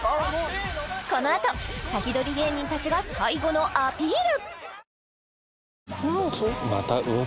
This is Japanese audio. このあとサキドリ芸人たちが最後のアピール！